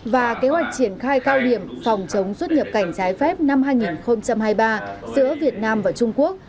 và kế hoạch triển khai cao điểm phòng chống xuất nhập cảnh trái phép năm hai nghìn hai mươi ba giữa việt nam và trung quốc